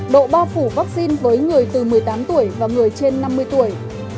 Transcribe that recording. độ bao phủ vaccine với người từ một mươi tám tuổi và người trên năm mươi tuổi